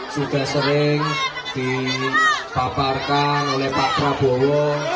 sudah sering dipaparkan oleh pak prabowo